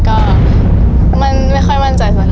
คำเอกในโครงสี่สุภาพ